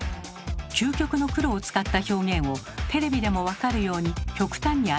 「究極の黒」を使った表現をテレビでも分かるように極端に表してみます。